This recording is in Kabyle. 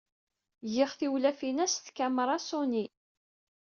GiƔ tiwlafin-a s tkamra Sonny.